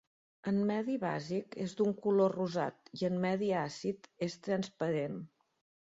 En medi bàsic és d'un color rosat i en medi àcid és transparent.